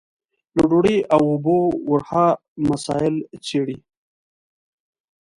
له ډوډۍ او اوبو ورها مسايل څېړي.